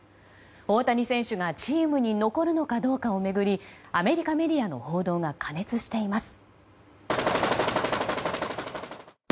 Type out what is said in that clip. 大谷選手がチームに残るのかどうかを巡りアメリカメディアの報道が過熱しています。